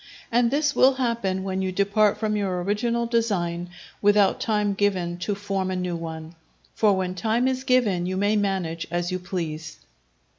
And this will happen when you depart from your original design without time given to form a new one. For when time is given you may manage as you please.